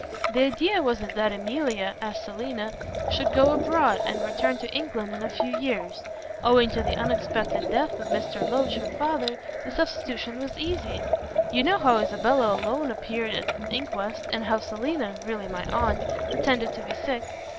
"The idea was that Emilia, as Selina, should go abroad and return to England in a few years. Owing to the unexpected death of Mr. Loach, the father, the substitution was easy. You know how Isabella alone appeared at the inquest, and how Selina really my aunt pretended to be sick.